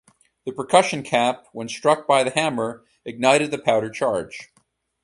The percussion cap, when struck by the hammer, ignited the powder charge.